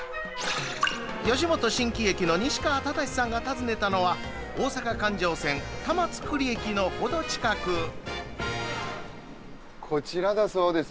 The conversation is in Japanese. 吉本新喜劇の西川忠志さんが訪ねたのはこちらだそうです